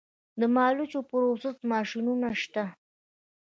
د مالوچو پروسس ماشینونه شته